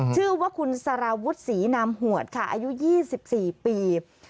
ชื่อว่าคุณสารวุฒิศรีนามหวดค่ะอายุ๒๔ปี